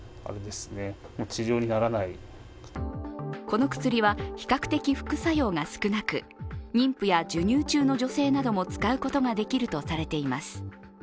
この薬は比較的副作用が少なく妊婦や授乳中の女性なども使うことができるとされています。